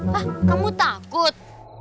hah kamu takut